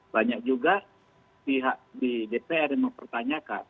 banyak juga pihak di dpr yang mempertanyakan